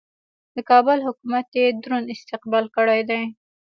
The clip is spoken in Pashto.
د کابل حکومت یې دروند استقبال کړی دی.